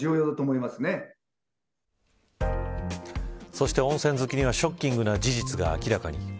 そして、温泉好きにはショッキングな事実が明らかに。